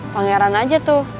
pangeran aja tuh